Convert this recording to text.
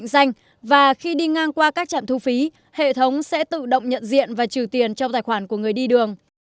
thẻ định danh và khi đi ngang qua các chạm thu phí hệ thống sẽ tự động nhận diện và trừ tiền trong tài khoản của người đi đường